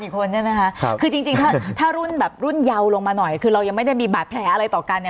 คือจริงถ้ารุ่นเยาว์ลงมาหน่อยคือเรายังไม่ได้มีบาดแผลอะไรต่อกัน